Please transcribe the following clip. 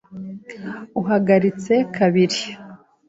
Uhagaritse kabiri .